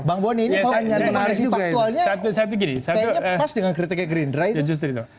bang buani ini kondisi faktualnya kayaknya pas dengan kritiknya gerindra itu